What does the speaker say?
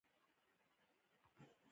هدیرې کې پر شهیدانو بحث و.